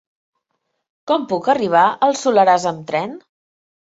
Com puc arribar al Soleràs amb tren?